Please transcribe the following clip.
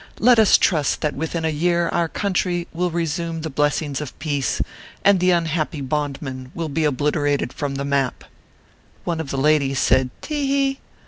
Let us trust that within a year our country will resume the blessings of peace, and the unhappy bondman will be obliterated from the map/ One of the ladies said, "te he."